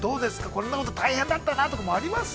こんなこと大変だったなとかあります？